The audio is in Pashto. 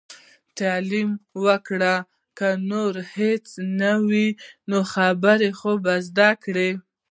تعليم وکړئ! که نور هيڅ نه وي نو، خبرې خو به زده کړي.